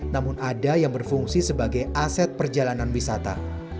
namun ada yang berfungsi sebagai aset perjalanan wisata